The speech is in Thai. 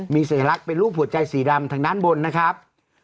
มีสัญลักษณ์เป็นรูปหัวใจสีดำทางด้านบนนะครับ